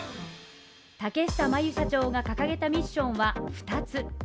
竹下真由社長が掲げたミッションは２つ。